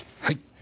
はい。